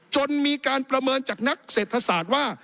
จนมีการประเมินจากนักเศรษฐศาสตร์ว่า